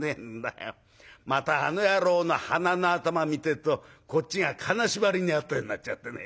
またあの野郎の鼻の頭見てるとこっちが金縛りに遭ったようになっちゃってね。